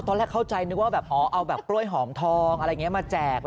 ตอนแรกเข้าใจนึกว่าเอาแบบกล้วยหอมทองมาแจก